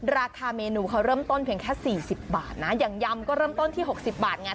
ราคาเมนูเขาเริ่มต้นเพียงแค่๔๐บาทนะอย่างยำก็เริ่มต้นที่๖๐บาทไง